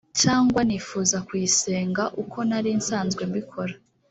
cyangwa nifuza kuyisenga uko nari nsanzwe mbikora